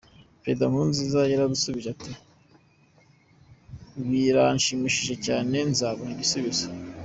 Perezida Nkurunziza yaradusubije ati ‘biranshimishije cyane, nzabaha igisubizo’.